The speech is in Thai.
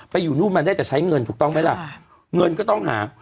อยู่นู่นมันได้จะใช้เงินถูกต้องไหมล่ะเงินก็ต้องหา